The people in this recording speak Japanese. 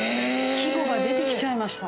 季語が出てきちゃいました。